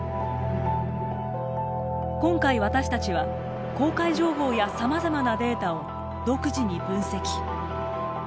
今回私たちは、公開情報やさまざまなデータを独自に分析。